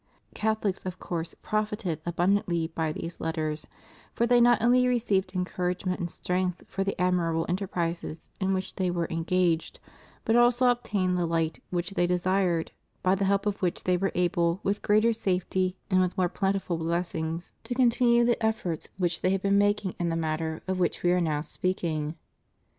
CathoUcs of course profited abundantly by these Letters, for they not only received encouragement and strength for the admirable enterprises in which they were engaged but also obtained the light which they desired, by the help of which they were able with greater safety and with more plentiful blessings to continue the efforts which they had been making in the matter of which We are now speak ing.